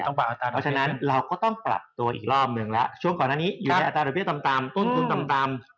เพราะฉะนั้นเราก็ต้องปรับตัวอีกรอบหนึ่งแล้วช่วงก่อนอันนี้อยู่ในอัตราดอกเบี้ต่ำต้นทุนต่ำ